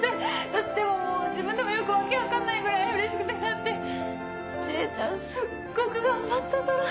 私でも自分でもよく訳分かんないぐらいうれしくてだって知恵ちゃんすっごく頑張ったから。